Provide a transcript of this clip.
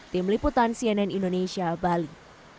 tim liputan cnn indonesia bali